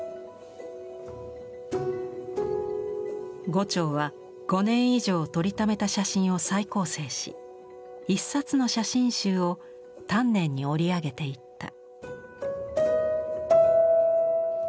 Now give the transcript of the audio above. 牛腸は５年以上撮りためた写真を再構成し一冊の写真集を丹念に織り上げていった。